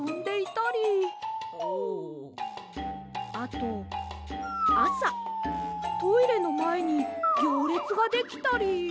あとあさトイレのまえにぎょうれつができたり。